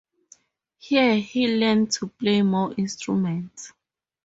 Here he learned to play more instruments.